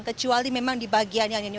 kecuali memang di bagian yang ini